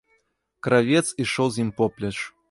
Кравец ішоў з ім поплеч.